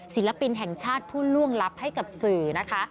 ศิลปินแห่งชาติผู้ล่วงลับให้กับสื่อนะคะ